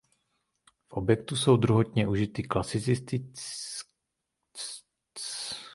V objektu jsou druhotně užity klasicistní zvony ze zrušeného kostela.